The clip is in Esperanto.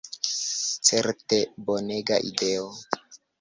Certe bonega ideo.